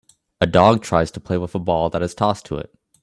A dog tries to play with a ball that is tossed to it